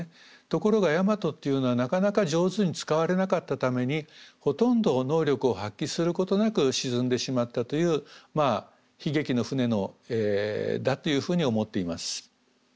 ところが大和っていうのはなかなか上手に使われなかったためにほとんど能力を発揮することなく沈んでしまったという悲劇の船だというふうに思っています。